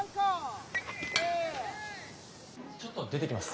ちょっと出てきます。